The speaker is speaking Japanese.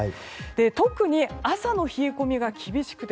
特に、朝の冷え込みが厳しくて